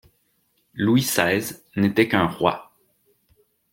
Louis seize n'était qu'un roi.